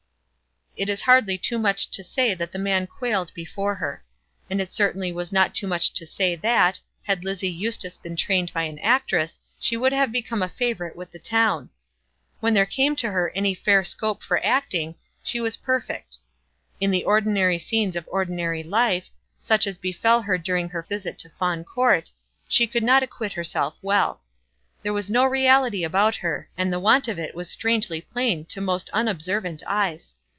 It is hardly too much to say that the man quailed before her. And it certainly is not too much to say that, had Lizzie Eustace been trained as an actress, she would have become a favourite with the town. When there came to her any fair scope for acting, she was perfect. In the ordinary scenes of ordinary life, such as befell her during her visit to Fawn Court, she could not acquit herself well. There was no reality about her, and the want of it was strangely plain to most unobservant eyes.